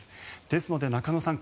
ですので、中野さん